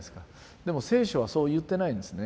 でも聖書はそう言ってないんですね。